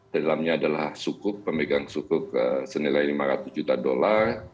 dalamnya adalah pemegang cukup senilai lima ratus juta dolar